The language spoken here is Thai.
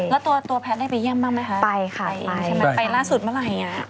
แล้วตัวแพทย์ได้ไปเยี่ยมบ้างไหมคะไปค่ะไปไปล่าสุดเมื่อไหร่